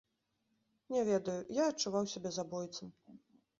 Не ведаю, я адчуваў сябе забойцам.